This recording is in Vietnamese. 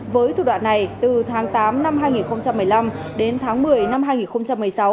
với thủ đoạn này từ tháng tám năm hai nghìn một mươi năm đến tháng một mươi năm hai nghìn một mươi sáu